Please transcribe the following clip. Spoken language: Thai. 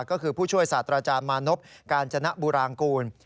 ก็คือผู้ช่วยสระจารมานบการจนะบุรางกูล